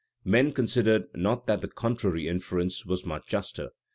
Men considered not that the contrary inference was much juster.